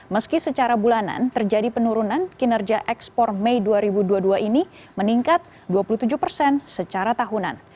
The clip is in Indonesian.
meski secara bulanan terjadi penurunan kinerja ekspor mei dua ribu dua puluh dua ini meningkat dua puluh tujuh persen secara tahunan